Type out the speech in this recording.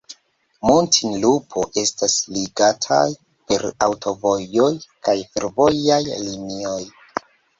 Muntinlupo estas ligataj per aŭtovojoj kaj fervojaj linioj.